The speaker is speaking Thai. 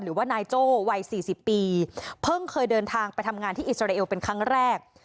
หรือว่านายโจ้วัยสี่สิบปีเพิ่งเคยเดินทางไปทำงานที่อิสราเอลเป็นครั้งแรก